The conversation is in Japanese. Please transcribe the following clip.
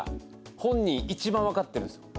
本人、一番わかってるんですよ。